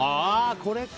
これか！